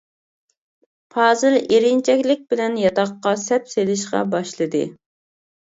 پازىل ئېرىنچەكلىك بىلەن ياتاققا سەپ سېلىشقا باشلىدى.